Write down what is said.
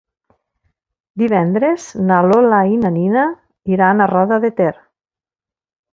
Divendres na Lola i na Nina iran a Roda de Ter.